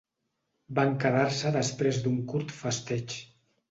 Van quedar-se després d'un curt festeig.